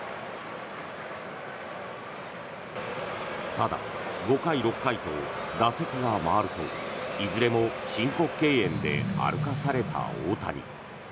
ただ、５回、６回と打席が回るといずれも申告敬遠で歩かされた大谷。